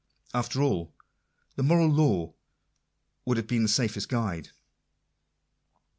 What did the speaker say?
After all, the moral law would have been the safest guide.